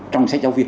trong sách giáo viên